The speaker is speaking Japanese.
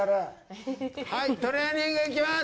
はい、トレーニング行きます！